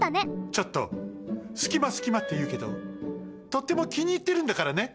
ちょっとすきますきまっていうけどとってもきにいってるんだからね。